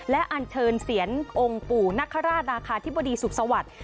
และอันเชิญเสียรองค์ปู่นคราชนาคาธิบดีสุขสวัสดิ์